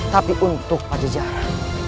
tapi untuk pajajara